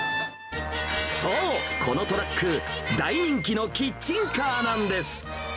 そう、このトラック、大人気のキッチンカーなんです。